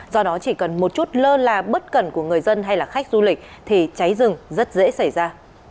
do đó chỉ cần một chút lơ là bất cần của người dân hay là khách du lịch thì cháy rừng rất dễ xảy ra